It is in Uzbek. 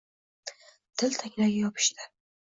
til tanglayga yopishdi.